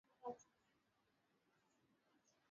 ujenzi wa mjengo ulianza mwaka elfu moja mia tisa na tisa